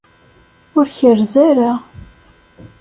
Ur kerrez ara.